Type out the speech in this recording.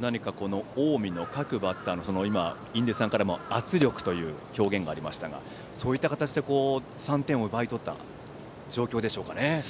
何か、近江の各バッターの印出さんからも圧力という表現がありましたがそういった形で３点を奪い取った状況でしょうかね。